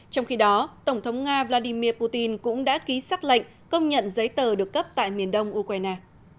trong khi đó tổng thống nga vladimir putin cũng đã ký xác lệnh công nhận giấy tờ được cấp tại miền đông ukraine